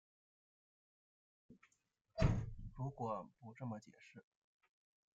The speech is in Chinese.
如果不这么解释